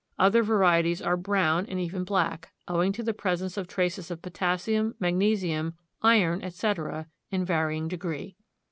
Other varieties are brown and even black, owing to the presence of traces of potassium, magnesium, iron, etc., in varying degree.